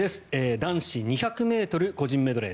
男子２００ｍ個人メドレー